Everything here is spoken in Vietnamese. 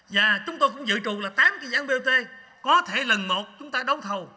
và chúng tôi cũng dự trù là tám dự án bot có thể lần một chúng ta đấu thầu